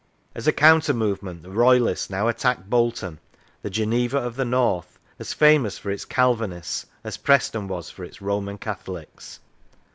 As a counter movement the Royalists now attacked Bolton, the Geneva of the North, as famous for its Calvinists as Preston was for its Roman Catholics.